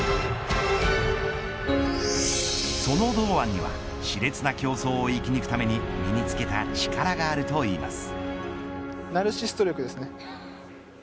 その堂安にはし烈な競争を生き抜くために身に付けた力があるといいます。